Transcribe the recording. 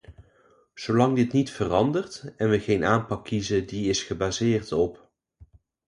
Zolang dit niet verandert, en we geen aanpak kiezen die is gebaseerd op …